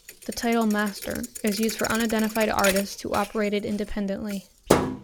The title, Master, is used for unidentified artists who operated independently.